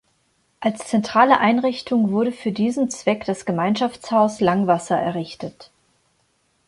Als zentrale Einrichtung wurde für diesen Zweck das Gemeinschaftshaus Langwasser errichtet.